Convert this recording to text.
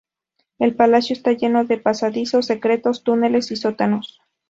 El palacio está lleno de pasadizos secretos, túneles y sótanos.